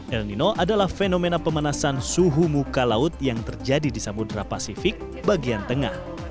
el nino adalah fenomena pemanasan suhu muka laut yang terjadi di samudera pasifik bagian tengah